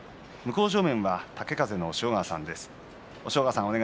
向正面は豪風の押尾川さんです。